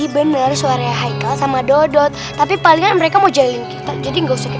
bener suaranya haikal sama dodot tapi paling mereka mau jalan kita jadi olmay